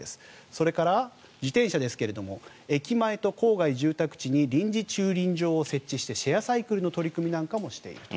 それから、自転車ですが駅前と郊外住宅地に臨時駐車場を設置してシェアサイクルの取り組みなんかもしていると。